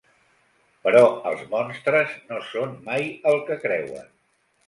Però els monstres no són mai el que creuen.